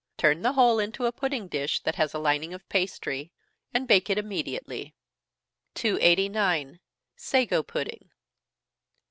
Turn the whole into a pudding dish that has a lining of pastry, and bake it immediately. 289. _Sago Pudding.